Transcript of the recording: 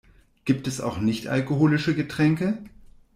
Gibt es auch nicht-alkoholische Getränke?